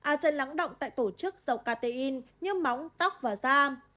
a sen lắng động tại tổ chức dầu catein như móng tóc và da